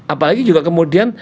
apalagi juga kemudian